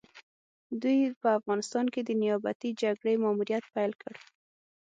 دوی په افغانستان کې د نيابتي جګړې ماموريت پيل کړ.